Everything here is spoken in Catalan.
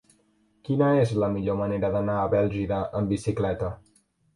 Quina és la millor manera d'anar a Bèlgida amb bicicleta?